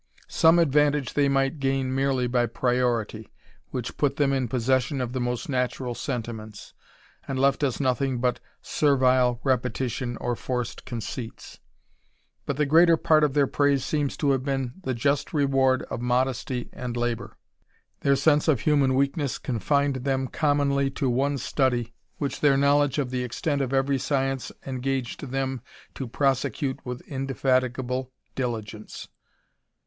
Some advantage they might gain merely by ariority, which put them in possession of the most natural WQtiments, and left us nothing but servile repetition or Ibtced conceits. But the greater part of their praise seems •a have been the just reward of modesty and labour. Their (CDse of human weakness c<mfined them commonly to one Itudy, which their knowledge of the extent of every science SngBged them to prosecute with indefatigable diligence.